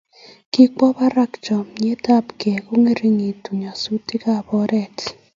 Kikwo barak chametabgei kongeringitu nyasutikab oret